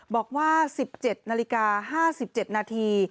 บอกว่า๑๗นาฬิกา๕๗นาที